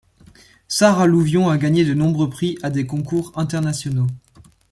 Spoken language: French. Sarah Louvion a gagné de nombreux prix à des concours internationaux.